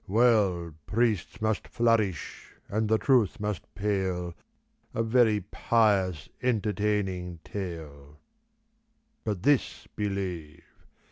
Well, priests must flourish and the truth must pale : A very pious, entertaining tale. But this believe.